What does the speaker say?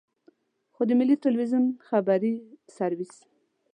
خو د ملي ټلویزیون خبري سرویس.